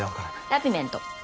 ラピメント。